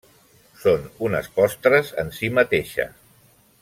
Són unes postres en si mateixa.